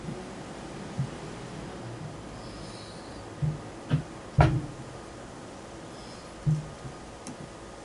The following day three Hessian soldiers were convicted of plundering a local house.